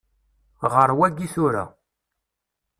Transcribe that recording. Ɣeṛ wayi tura.